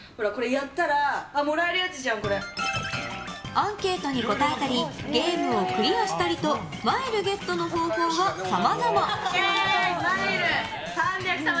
アンケートに答えたりゲームをクリアしたりとマイルゲットの方法はさまざま。